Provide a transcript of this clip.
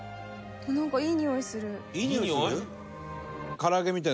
いいにおいする？